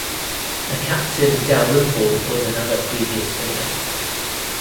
A Captain Dalrymple was another previous owner.